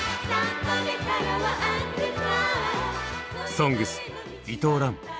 「ＳＯＮＧＳ」伊藤蘭。